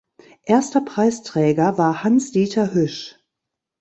Erster Preisträger war Hanns Dieter Hüsch.